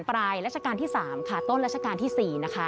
ปลายราชการที่๓ต้นราชการที่๔นะคะ